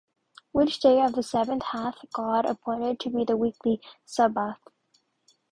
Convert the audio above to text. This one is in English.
Which day of the seven hath God appointed to be the weekly sabbath?